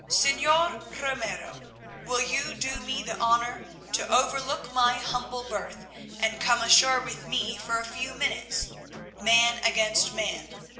"Señor Ramiro, will you do me the honour to overlook my humble birth and come ashore with me for a few minutes, man against man.